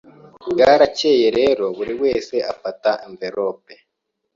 Bwarakeye rero buri wese afata envelope